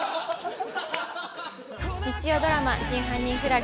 日曜ドラマ『真犯人フラグ』。